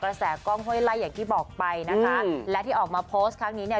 แสกล้องห้วยไล่อย่างที่บอกไปนะคะและที่ออกมาโพสต์ครั้งนี้เนี่ย